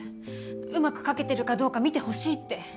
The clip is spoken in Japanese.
うまく描けてるかどうか見てほしいって。